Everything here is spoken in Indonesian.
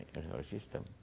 keluar dari sistem